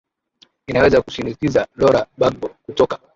inaweza kushinikiza lora bagbo kutoka